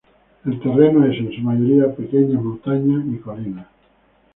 El terreno es en su mayoría pequeñas montañas y colinas.